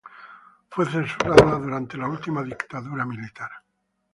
Fue censurada durante la última dictadura militar.